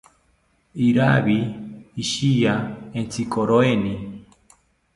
Iravid ishiya entzikiroeni